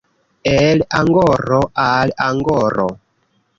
El angoro al angoro.